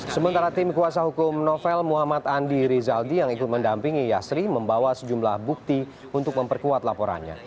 sementara tim kuasa hukum novel muhammad andi rizaldi yang ikut mendampingi yasri membawa sejumlah bukti untuk memperkuat laporannya